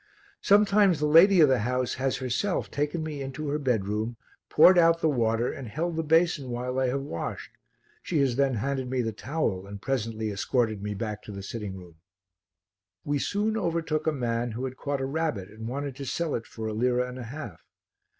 Sometimes the lady of the house has herself taken me into her bedroom, poured out the water and held the basin while I have washed; she has then handed me the towel and presently escorted me back to the sitting room. We soon overtook a man who had caught a rabbit and wanted to sell it for a lira and a half.